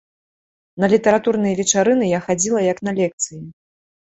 На літаратурныя вечарыны я хадзіла як на лекцыі.